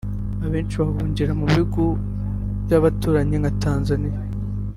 abeshi bahungira mu bihugu by’abaturanyi nka Tanzaniya